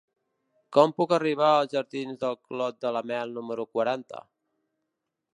Com puc arribar als jardins del Clot de la Mel número quaranta?